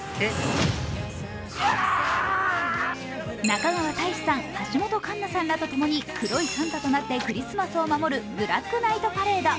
中川大志さん、橋本環奈さんらとともに黒いサンタとなって、クリスマスを守る「ブラックナイトパレード」。